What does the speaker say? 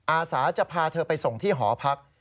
อาสาจะพาเธอไปส่งที่หอพัก